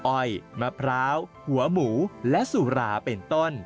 อ้อยมะพร้าวหัวหมูและสุราเป็นต้น